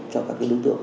cho các cái lưu tượng